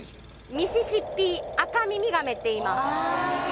ミシシッピアカミミガメっていいます